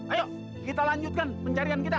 ayo kita lanjutkan pencarian kita